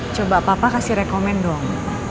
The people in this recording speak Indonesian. coba papa kasih rekomen dong